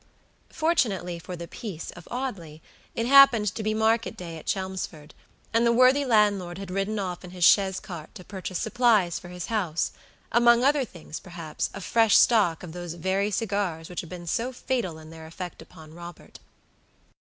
Fortunately for the peace of Audley, it happened to be market day at Chelmsford; and the worthy landlord had ridden off in his chaise cart to purchase supplies for his houseamong other things, perhaps, a fresh stock of those very cigars which had been so fatal in their effect upon Robert.